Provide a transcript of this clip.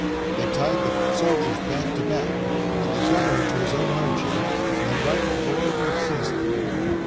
They tied the soldiers back to back, and the governor to his own armchair, and then rifled wherever it pleased them.